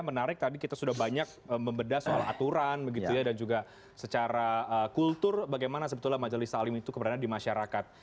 menarik tadi kita sudah banyak membeda soal aturan dan juga secara kultur bagaimana sebetulnya majelis salim itu keberadaan di masyarakat